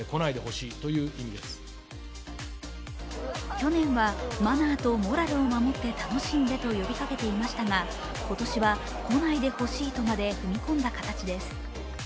去年は、マナーとモラルを守って楽しんでと呼びかけていましたが今年は来ないでほしいとまで踏み込んだ形です